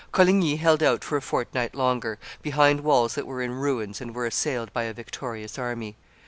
Coligny held out for a fortnight longer, behind walls that were in ruins and were assailed by a victorious army.